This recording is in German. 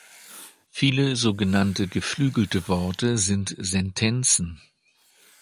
Viele so genannte geflügelte Worte sind Sentenzen.